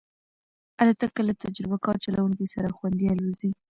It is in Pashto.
الوتکه له تجربهکار چلونکي سره خوندي الوزي.